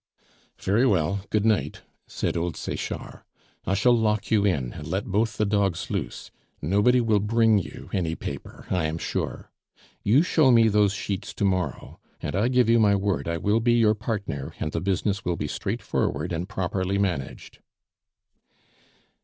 "Very well, good night," said old Sechard; "I shall lock you in, and let both the dogs loose; nobody will bring you any paper, I am sure. You show me those sheets to morrow, and I give you my word I will be your partner and the business will be straightforward and properly managed."